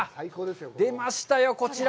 出ましたよ、こちら。